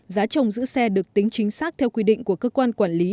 giá chồng giữ xe được tính chính xác theo quy định của cơ quan quản lý